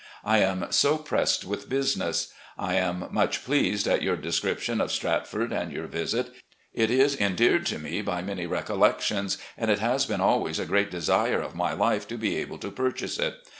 I am so pressed with business. I am S6 RECOLLECTIONS OF GENERAL LEE much pleased at your description of Stratford and your visit. It is endeared to me by many recollections, and it has been always a great desire of my life to be able to purchase it.